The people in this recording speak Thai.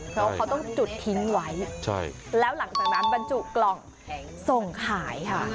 เพราะเขาต้องจุดทิ้งไว้แล้วหลังจากนั้นบรรจุกล่องส่งขายค่ะ